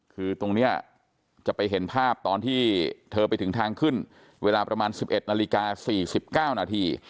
คือตรงนี้จะไปเห็นภาพตอนที่เธอไปถึงทางขึ้นเวลาประมาณ๑๑นาฬิกา๔๙นาที